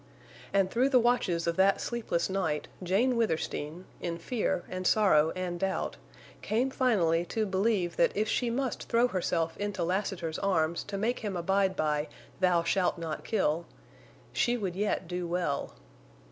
And through the watches of that sleepless night Jane Withersteen, in fear and sorrow and doubt, came finally to believe that if she must throw herself into Lassiter's arms to make him abide by "Thou shalt not kill!" she would yet do well.